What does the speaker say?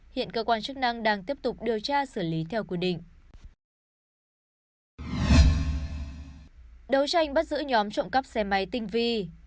đấu tranh bắt giữ nhóm trộm cắp xe máy tinh vi